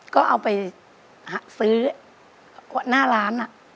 ก็เอาไปซื้อหน้าร้าน